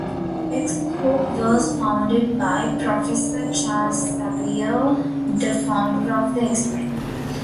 X-Corp was founded by Professor Charles Xavier, the founder of the X-Men.